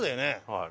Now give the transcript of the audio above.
はい。